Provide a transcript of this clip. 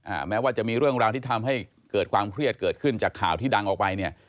แม้ว่าจะมีเรื่องราวที่ทำให้เกิดความเครียดเกิดขึ้นจากข่าวที่ดังออกไปเนี่ย